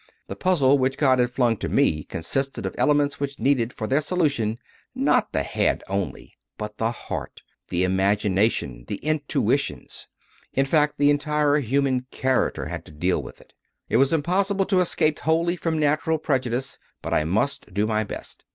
The puzzle which God had flung to me consisted of elements which needed for their solution not the head only, but the heart, the imagination, the intuitions; in fact, the entire human character had to deal with it. It was impossible to escape wholly from natural prejudice, but I must do my best.